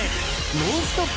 ノンストップ！